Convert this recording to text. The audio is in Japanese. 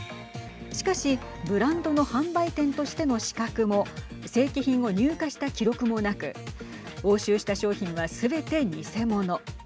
しかしブランドの販売店としての資格も正規品を入荷した記録もなく押収した商品は、すべて偽物。